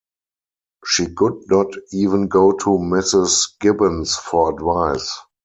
She could not even go to Mrs. Gibbons for advice.